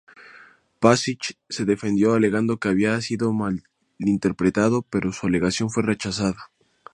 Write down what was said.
Pašic se defendió alegando que había sido malinterpretado, pero su alegación fue rechazada.